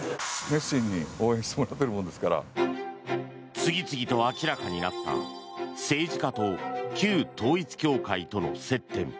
次々と明らかになった政治家と旧統一教会との接点。